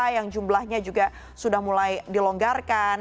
yang jumlahnya juga sudah mulai dilonggarkan